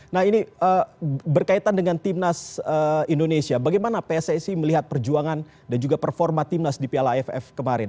nah ini berkaitan dengan timnas indonesia bagaimana pssi melihat perjuangan dan juga performa timnas di piala aff kemarin